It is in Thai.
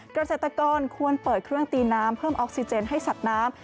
เกษตรกรควรเปิดเครื่องตีน้ำเพิ่มออกซิเจนให้สัตว์น้ำ